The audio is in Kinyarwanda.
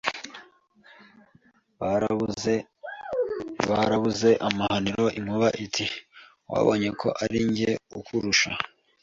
barabuze amahahiro. Inkuba iti wabibonye ko ari njye ukurusha